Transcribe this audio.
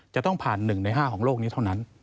จะต้องผ่าน๑ใน๕ของโลกนี้เท่านั้น